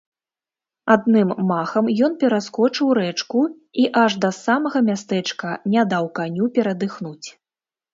Адным махам ён пераскочыў рэчку і аж да самага мястэчка не даў каню перадыхнуць.